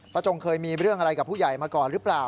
จงเคยมีเรื่องอะไรกับผู้ใหญ่มาก่อนหรือเปล่า